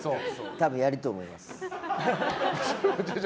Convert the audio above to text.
多分やると思います。